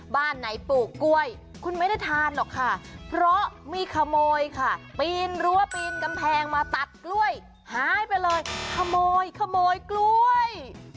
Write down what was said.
บ้านไหนปลูกกล้วยคุณไม่ได้ทานหรอกค่ะเพราะมีขโมยค่ะปีนรั้วปีนกำแพงมาตัดกล้วยหายไปเลยขโมยขโมยกล้วย